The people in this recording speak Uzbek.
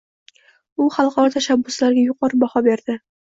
U xalqaro tashabbuslariga yuqori baho berdi.